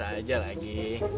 hah biasa aja lagi